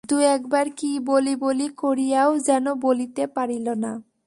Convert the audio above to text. দু-একবার কি বলি বলি করিয়াও যেন বলিতে পারিল না।